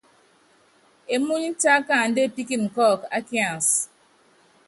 Emúny tiakanda epíkinin kɔ́ɔk a kiansɛ.